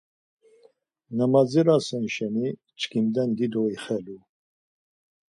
Na madzirasen şeni, çkimden dido ixelet̆u.